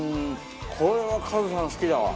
これはカズさん好きだわ。